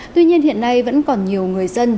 tuy nhiên hiện nay vẫn còn nhiều người dân